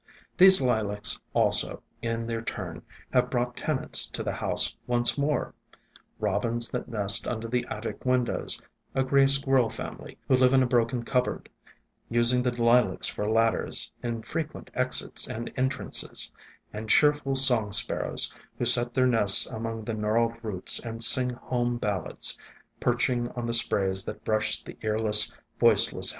These Lilacs also, in their turn, have brought tenants to the house once more, — robins that nest under the attic windows; a gray squirrel family, who live in a broken cup board, using the Lilacs for ladders in frequent exits and entrances; and cheerful song sparrows, who set their nests among the gnarled roots and sing home ballads, perching on the sprays that brush the earless, voiceless house.